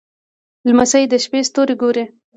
لمسی د شپې ستوري ګوري.